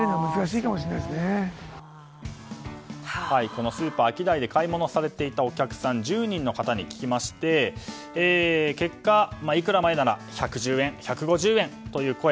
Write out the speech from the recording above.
このスーパーアキダイで買い物されていたお客さん１０人の方に聞きまして結果１１０円、１５０円という声。